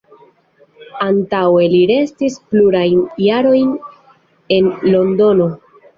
Antaŭe li restis plurajn jarojn en Londono.